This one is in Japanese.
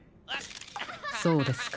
そうですか。